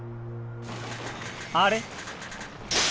あれ？